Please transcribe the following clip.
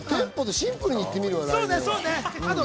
シンプルにいってみるわ、来年は。